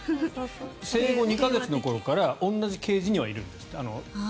生後２か月の頃から同じケージに入るんですって。